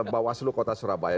bawaslu kota surabaya